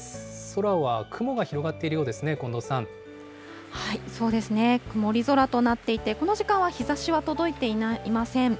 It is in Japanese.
空は雲が広がっているようですね、そうですね、曇り空となっていて、この時間は日ざしは届いていません。